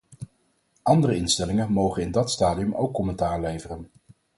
Andere instellingen mogen in dat stadium ook commentaar leveren.